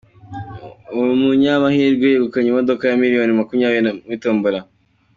Umunyamahirwe yegukanye imodoka ya miliyoni makumyabiri muri Tombola